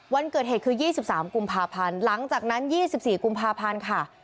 วันเกิดเหตุคือ๒๓กุมภาพันธ์หลังจากนั้น๒๔กุมภาพันธ์ค่ะ